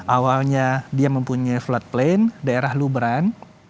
awalnya dia mempunyai flood plain daerah lubran